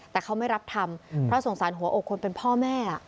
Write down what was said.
แต่เขาไม่รับทำเพราะสงสารหัวอกคนเป็นพ่อแม่